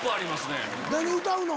何歌うの？